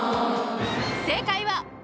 正解は。